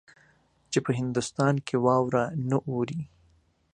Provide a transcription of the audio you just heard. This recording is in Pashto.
چې په هندوستان کې واوره نه اوري.